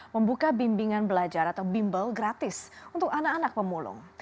membuka bimbingan belajar atau bimbel gratis untuk anak anak pemulung